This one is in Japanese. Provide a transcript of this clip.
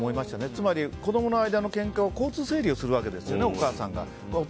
つまり子供の間のケンカの交通整理をするわけですよねお母さんが。